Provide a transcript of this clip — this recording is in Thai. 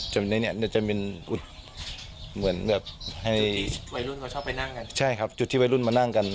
ใช่ครับจุดที่วัยรุ่นมานั่งกัน